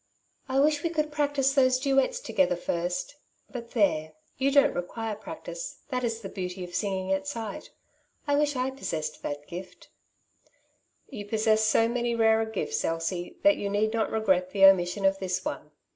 ^^I wish we could practise those duets together first; but there, you don't require practice, that is the beauty of singing at sight. I wish I possessed that gift/' '^Tou possess so many rarer gifts, Elsie, that you need not regret the omission of this one.